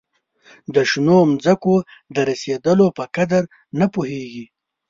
د شنو مځکو د رسېدلو په قدر نه پوهیږي.